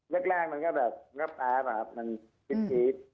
แรกมันก็แบบมันก็แป๊บครับมันคิด